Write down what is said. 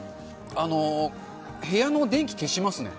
部屋の電気消しますね。